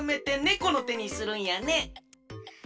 このてにするんやね。